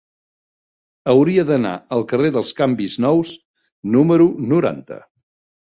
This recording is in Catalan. Hauria d'anar al carrer dels Canvis Nous número noranta.